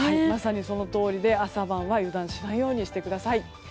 まさに、そのとおりで朝晩は油断しないようにしてください。